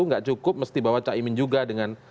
nggak cukup mesti bawa cak imin juga dengan